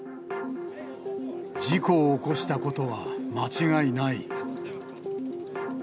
事故を起こしたことは間違いない。